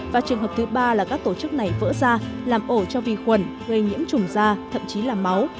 và trường hợp thứ ba là các tổ chức này vỡ da làm ổ cho vi khuẩn gây nhiễm chủng da thậm chí là máu